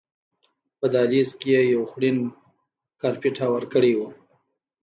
په دهلیز کې یې یو خوړین کارپېټ هوار کړی و.